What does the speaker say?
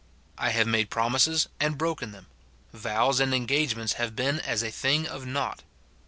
I have made promises and broken them ; vows and engagements have been as a thing of nought.